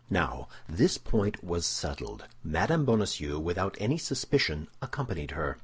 Now, this point was settled; Mme. Bonacieux, without any suspicion, accompanied her.